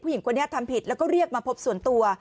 หญิงคนนี้ทำผิดแล้วก็เรียกมาพบส่วนตัว